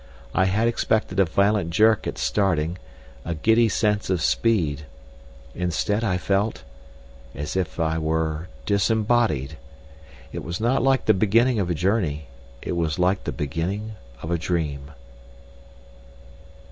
I had expected a violent jerk at starting, a giddy sense of speed. Instead I felt—as if I were disembodied. It was not like the beginning of a journey; it was like the beginning of a dream.